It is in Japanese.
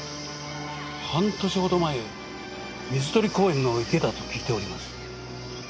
半年ほど前水鳥公園の池だと聞いております。